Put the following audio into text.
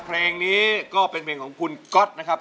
เพลงนี้ก็เป็นเพลงของคุณก๊อตนะครับ